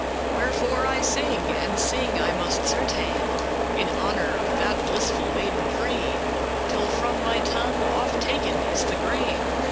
"Wherefore I sing, and sing I must certain, In honour of that blissful maiden free, Till from my tongue off taken is the grain.